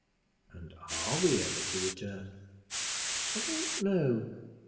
"And are we ever to return?" "I don't know.